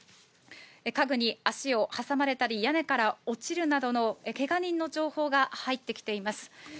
家具に足を挟まれたり、屋根から落ちるなどの、けが人の情報が入ってきています。